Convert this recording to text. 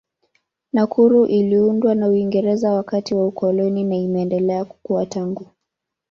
Nakuru iliundwa na Uingereza wakati wa ukoloni na imeendelea kukua tangu.